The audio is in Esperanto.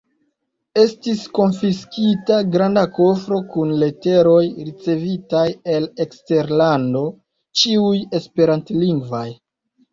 Estis konfiskita granda kofro kun leteroj ricevitaj el eksterlando, ĉiuj esperantlingvaj.